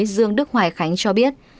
dương đức hoài khánh cho biết